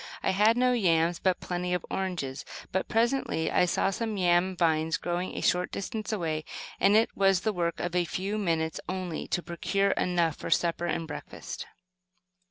I had no yams, but plenty of oranges; but presently I saw some yam vines growing a short distance away, and it was the work of a few minutes only to procure enough for supper and breakfast.